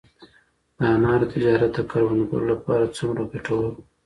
د انارو تجارت د کروندګرو لپاره څومره ګټور و؟